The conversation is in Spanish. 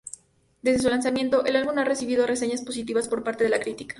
Desde su lanzamiento, el álbum ha recibido reseñas positivas por parte de la crítica.